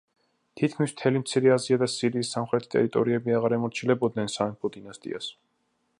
თითქმის მთელი მცირე აზია და სირიის სამხრეთი ტერიტორიები აღარ ემორჩილებოდნენ სამეფო დინასტიას.